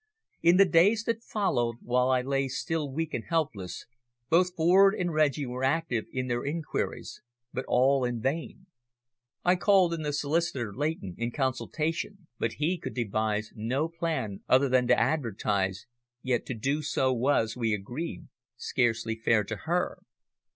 In the days that followed, while I lay still weak and helpless, both Ford and Reggie were active in their inquiries, but all in vain. I called in the solicitor, Leighton, in consultation, but he could devise no plan other than to advertise, yet to do so was, we agreed, scarcely fair to her.